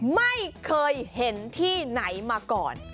ไม่เคยเห็นที่ไหนมาก่อน